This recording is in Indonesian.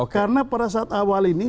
karena pada saat awal ini